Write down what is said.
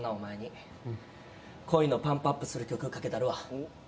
恋のパンプアップする曲かけたるわ。